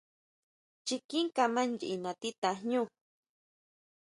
Chikín kama ʼnyi natí tajñú.